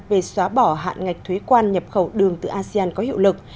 về xóa bỏ hạn ngạch thuế quan nhập khẩu đường từ asean có hiệu lực